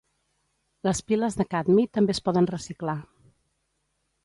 Les piles de cadmi també es poden reciclar.